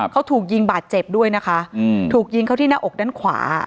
เขาถูกยิงบาดเจ็บด้วยนะคะถูกยิงเข้าที่หน้าอกด้านขวา